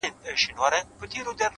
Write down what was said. مخ ته مي لاس راوړه چي ومي نه خوري،